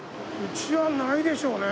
家はないでしょうね。